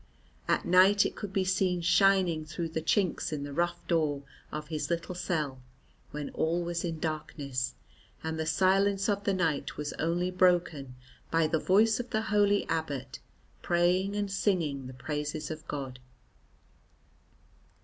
At night it could be seen shining through the chinks in the rough door of his little cell when all was in darkness, and the silence of the night was only broken by the voice of the holy abbot praying and singing the praises of God.